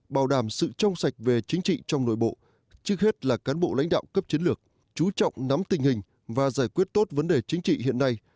bảo đảm sự trong sạch về chính trị trong nội bộ trước hết là cán bộ lãnh đạo cấp chiến lược chú trọng nắm tình hình và giải quyết tốt vấn đề chính trị hiện nay